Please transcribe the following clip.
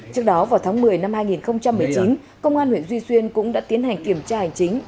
trước đó vào tháng một mươi năm hai nghìn một mươi chín công an huyện duy xuyên cũng đã tiến hành kiểm tra hành chính